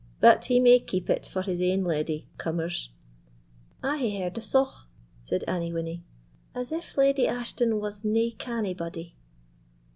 But he may keep it for his ain leddy, cummers." "I hae heard a sough," said Annie Winnie, "as if Leddy Ashton was nae canny body."